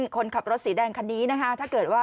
คนขับรถสีแดงคันนี้นะคะถ้าเกิดว่า